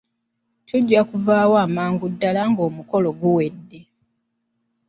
Tujja kuvaayo amangu ddala ng'omukolo guwedde.